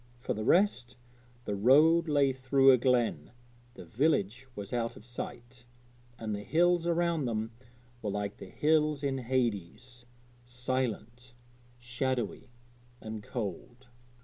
For the rest, the road lay through a glen, the village was out of sight, and the hills around them were like the hills in Hades silent, shadowy and cold.